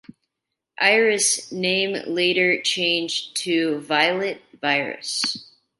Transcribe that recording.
Iris' name later changed to Violet Virus.